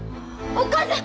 お母さん！